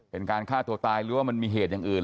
เป็นการฆ่าตัวตายหรือว่ามันมีเหตุอย่างอื่น